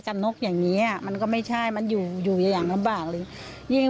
นกอย่างนี้มันก็ไม่ใช่มันอยู่อยู่อย่างลำบากเลยยิ่ง